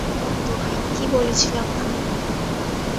খোদার দোহাই, কী বলেছিলাম আমি?